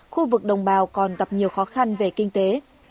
khu vực đồng bào còn gặp nhiều khó khăn về kinh tế